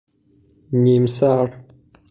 نیم سر